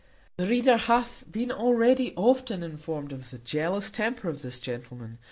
The reader hath been already often informed of the jealous temper of this gentleman.